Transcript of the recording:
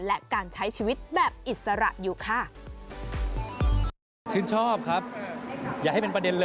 และการใช้ชีวิตแบบอิสระอยู่ค่ะ